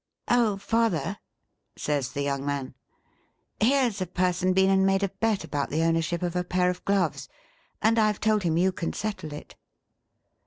'Oh, Father !' says the young man, ' here 's a person been and made a bet about the ownership of a pair of gloves, and I Ve told him you can settle it.'